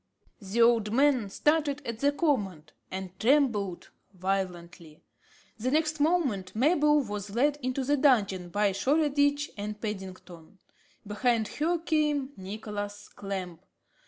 The old man started at the command, and trembled violently. The next moment, Mabel was led into the dungeon by Shoreditch and Paddington. Behind her came Nicholas Clamp.